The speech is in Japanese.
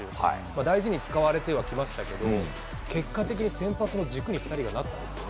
大事に使われてはきましたけど結果的に先発の軸に２人がなったんですよ。